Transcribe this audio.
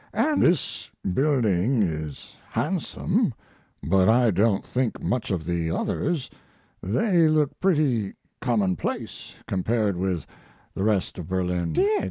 And " "This building is handsome, but I don't think much of the others. They look pretty commonplace, compared with the rest of Berlin." "Dear!